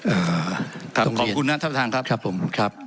อ่าครับขอบคุณนะท่านประธานครับครับผมครับ